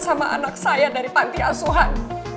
sama anak saya dari panti asuhan